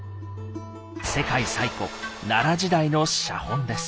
世界最古奈良時代の写本です。